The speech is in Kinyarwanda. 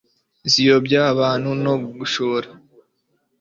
ziyobya abantu no gushora